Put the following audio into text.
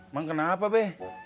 emang kenapa be